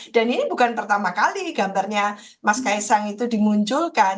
dan ini bukan pertama kali gambarnya mas ks sang itu dimunculkan